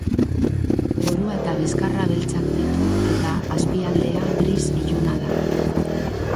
Burua eta bizkarra beltzak ditu eta azpialdea gris iluna da.